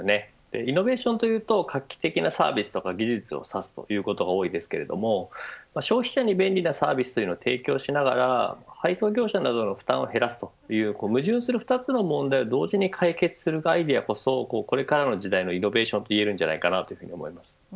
イノベーションというと画期的なサービスとか技術を指すことが多いですが消費者に便利なサービスというのを提供しながら配送業者などの負担を減らすという矛盾する２つの問題を同時に解決できるアイデアこそ、これからの時代のイノベーションといえると思います。